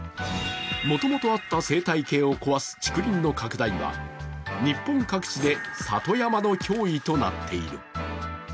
もともとあった生態系を壊す竹林の拡大は日本各地で里山の脅威となっている。